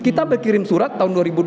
kita berkirim surat tahun dua ribu dua puluh